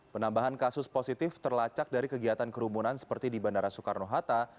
penambahan kasus positif terlacak dari kegiatan kerumunan seperti di bandara soekarno hatta